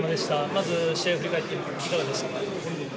まず試合を振り返っていかがでしたか？